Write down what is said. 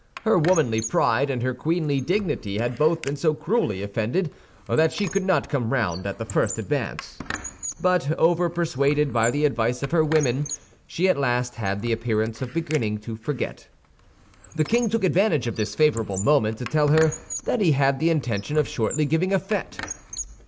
Her womanly pride and her queenly dignity had both been so cruelly offended that she could not come round at the first advance; but, overpersuaded by the advice of her women, she at last had the appearance of beginning to forget. The king took advantage of this favorable moment to tell her that he had the intention of shortly giving a fête.